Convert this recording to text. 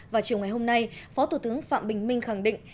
vào chiều ngày hôm nay phó thủ tướng phạm bình minh khẳng định